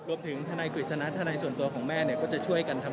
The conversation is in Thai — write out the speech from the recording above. ทนายกฤษณะทนายส่วนตัวของแม่เนี่ยก็จะช่วยกันทำ